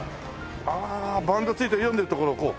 ああバンド付いて読んでるところをこう。